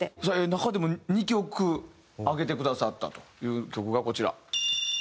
中でも２曲挙げてくださったという曲がこちら。